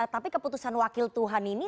tapi keputusan wakil tuhan ini